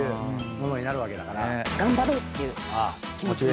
頑張ろうっていう気持ちに。